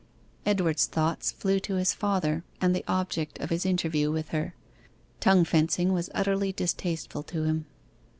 Edward's thoughts flew to his father, and the object of his interview with her. Tongue fencing was utterly distasteful to him.